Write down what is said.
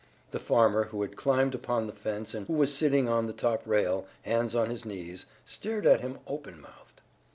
The farmer, who had climbed upon the fence and who was sitting on the top rail, hands on his knees, stared at him open mouthed.